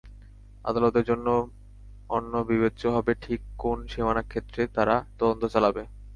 আদালতের জন্য অন্য বিবেচ্য হবে ঠিক কোন সীমানা ক্ষেত্রে তারা তদন্ত চালাবে।